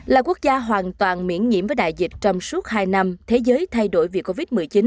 là quốc gia hoàn toàn miễn nhiễm với đại dịch trong suốt hai năm thế giới thay đổi vì covid một mươi chín